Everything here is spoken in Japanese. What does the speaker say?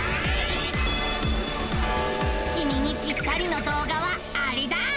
きみにぴったりの動画はアレだ！